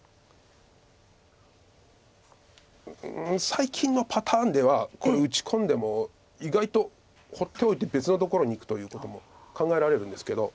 最近のパターンではこれ打ち込んでも意外と放っておいて別のところにいくということも考えられるんですけど。